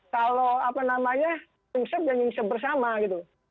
kalau apa namanya sumsep dan sumsep bersama gitu